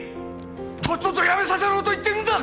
とっととやめさせろと言ってるんだ